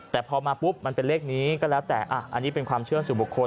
แต่พอมาปุ๊บมันเป็นเลขนี้ก็แล้วแต่อันนี้เป็นความเชื่อสู่บุคคล